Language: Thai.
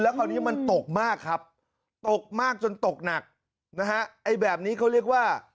คราวนี้มันตกมากครับตกมากจนตกหนักนะฮะไอ้แบบนี้เขาเรียกว่า